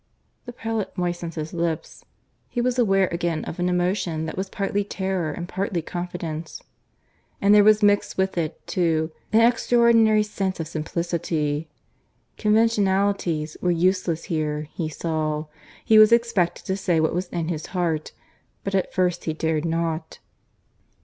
The prelate moistened his lips. He was aware again of an emotion that was partly terror and partly confidence. And there was mixed with it, too, an extraordinary sense of simplicity. Conventionalities were useless here, he saw; he was expected to say what was in his heart, but at first he dared not.